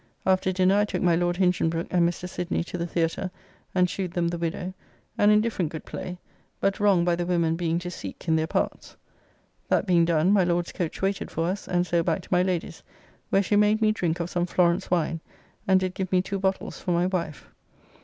After dinner I took my Lord Hinchinbroke and Mr. Sidney to the Theatre, and shewed them "The Widdow," an indifferent good play, but wronged by the women being to seek in their parts. That being done, my Lord's coach waited for us, and so back to my Lady's, where she made me drink of some Florence wine, and did give me two bottles for my wife.